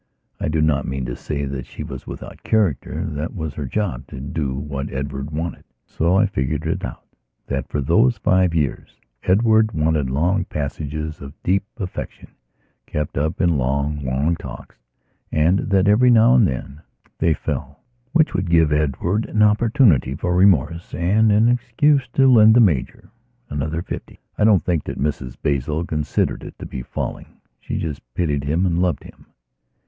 I do not mean to say that she was without character; that was her job, to do what Edward wanted. So I figured it out, that for those five years, Edward wanted long passages of deep affection kept up in long, long talks and that every now and then they "fell," which would give Edward an opportunity for remorse and an excuse to lend the Major another fifty. I don't think that Mrs Basil considered it to be "falling"; she just pitied him and loved him.